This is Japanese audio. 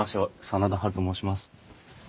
真田ハルと申します。